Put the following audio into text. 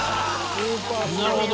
なるほど。